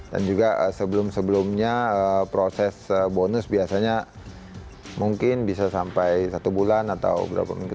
dan juga sebelum sebelumnya proses bonus biasanya mungkin bisa sampai satu bulan atau berapa minggu